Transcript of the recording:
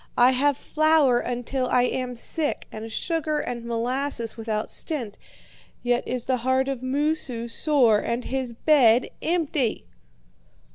I have flour until I am sick, and sugar and molasses without stint, yet is the heart of Moosu sore and his bed empty.'